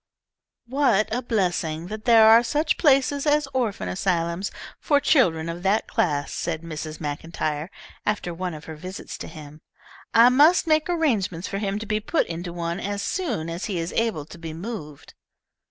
"What a blessing that there are such places as orphan asylums for children of that class," said Mrs. Maclntyre, after one of her visits to him. "I must make arrangements for him to be put into one as soon as he is able to be moved."